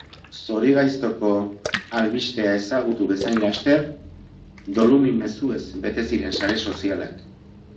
Zorigaiztoko albistea ezagutu bezain laster, dolumin mezuez bete ziren sare sozialak.